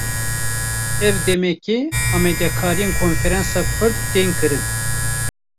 Ev demeke, amadekariyên konferansa Kurd tên kirin